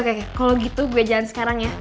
oke oke kalo gitu gue jalan sekarang ya